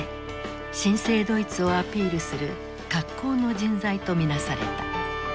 新生ドイツをアピールする格好の人材と見なされた。